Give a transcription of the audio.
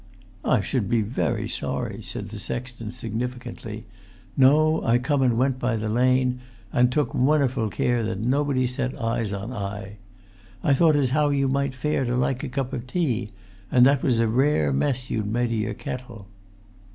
"I should be very sorry," said the sexton, sig[Pg 223]nificantly. "No, I come an' went by the lane, an' took wunnerful care that nobody set eyes on I. I thought as how you might fare to like a cup o' tea, an' that was a rare mess you'd made o' your kettle."